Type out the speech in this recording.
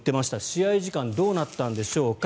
試合時間どうなったんでしょうか。